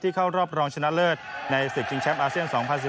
เข้ารอบรองชนะเลิศในศึกชิงแชมป์อาเซียน๒๐๑๙